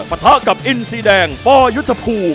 ปะทะกับอินสี่แดงฟอร์ยุทธภูมิ